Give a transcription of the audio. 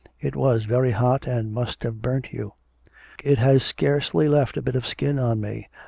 It was very hot, and must have burnt you.' 'It has scarcely left a bit of skin on me.